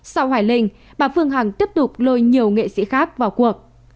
sau hoài linh bà phương hằng tiếp tục lôi nhiều nghệ sĩ khác vào cuộc